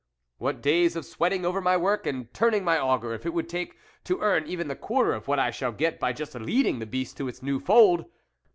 What days of sweating over my work, and turning my auger, it would take, to earn even the quarter of what I shall get by just leading the beast to its new fold